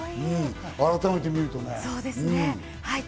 改めて見るとね。